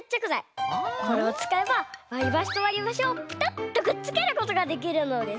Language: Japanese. これをつかえばわりばしとわりばしをピタッとくっつけることができるのです。